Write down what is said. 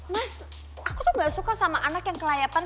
mas aku tuh nggak suka sama anak yang kelayakan